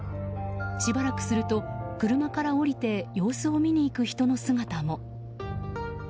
しばらくすると、車から降りて様子を見に行く人の姿も。